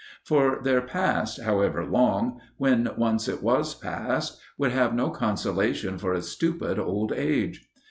For their past, however long, when once it was past, would have no consolation for a stupid old age.